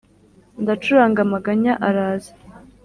ndacuranga amaganya araza,